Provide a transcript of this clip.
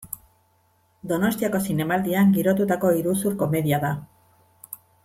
Donostiako Zinemaldian girotutako iruzur-komedia da.